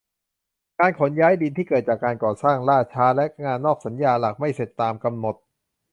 การขนย้ายดินที่เกิดจากการก่อสร้างล่าช้า และ งานนอกสัญญาหลักไม่เสร็จตามกำหนด